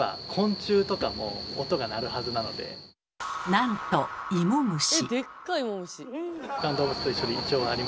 なんとイモムシ。